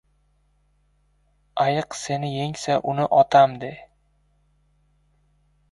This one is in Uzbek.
• Ayiq seni yengsa — uni “otam” de.